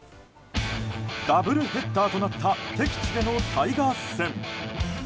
ダブルヘッダーとなった敵地でのタイガース戦。